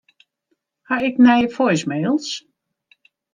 Ha ik nije voicemails?